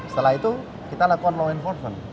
setelah itu kita lakukan law enforcement